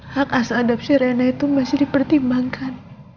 hak asal adapsi rina itu masih dipertimbangkan